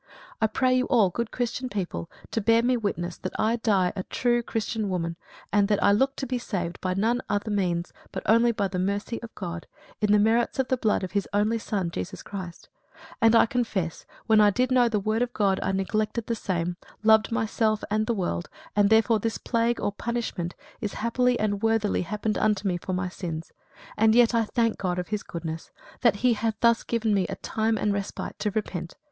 I pray you all, good Christian people, to bear me witness that I die a true Christian woman, and that I look to be saved by none other means but only by the mercy of God, in the merits of the blood of His only son, Jesus Christ; and I confess, when I did know the word of God, I neglected the same, loved myself and the world, and therefore this plague or punishment is happily and worthily happened unto me for my sins; and yet I thank God of His goodness, that He hath thus given me a time and respite to repent.